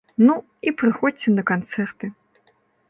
Ну, і прыходзьце на канцэрты!